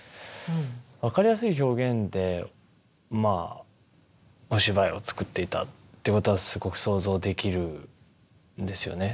分かりやすい表現でまあお芝居を作っていたってことはすごく想像できるんですよね。